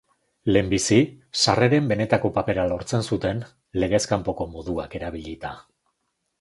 Lehenbizi, sarreren benetako papera lortzen zuten legez kanpoko moduak erabilita.